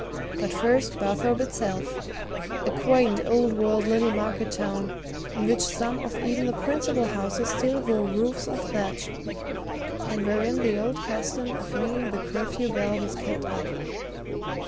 But first Barthorpe itself a quaint old world little market town, in which some of even the principal houses still wore roofs of thatch, and wherein the old custom of ringing the curfew bell was kept up.